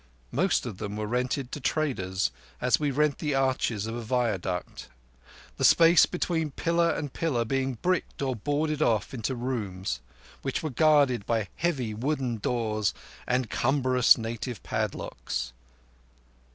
Most of them were rented to traders, as we rent the arches of a viaduct; the space between pillar and pillar being bricked or boarded off into rooms, which were guarded by heavy wooden doors and cumbrous native padlocks.